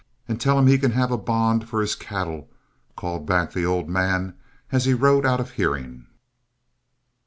And tell him he can have a bond for his cattle," called back the old man as he rode out of hearing.